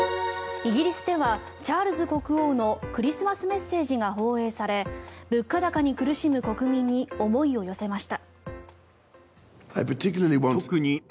イギリスではチャールズ国王のクリスマスメッセージが放映され物価高に苦しむ国民に思いを寄せました。